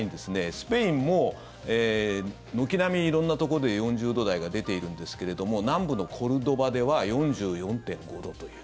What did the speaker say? スペインも軒並み色んなところで４０度台が出ているんですが南部のコルドバでは４４．５度という。